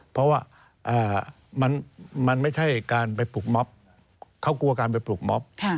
เพราะว่ามันไม่ใช่การไปปลุกม็อบเขากลัวการไปปลุกม็อบ